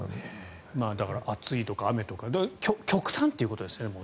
だから、暑いとか雨とか極端ということですね。